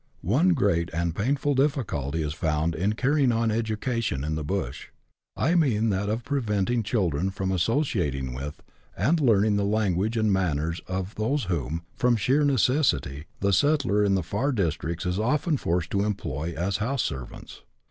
One great and painful difficulty is found in carrying on educa tion in the bush — I mean that of preventing children from associating with, and learning the language and manners of those whom, from sheer necessity, the settler in the far districts is often forced to employ as house servants.